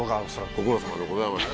ご苦労さまでございました。